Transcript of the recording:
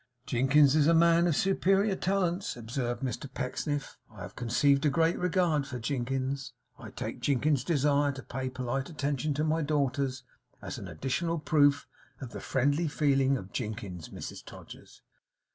'Jinkins is a man of superior talents,' observed Mr Pecksniff. 'I have conceived a great regard for Jinkins. I take Jinkins's desire to pay polite attention to my daughters, as an additional proof of the friendly feeling of Jinkins, Mrs Todgers.